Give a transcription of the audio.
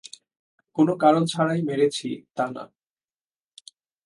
কোনো কারণ ছাড়াই মেরেছি, তা না।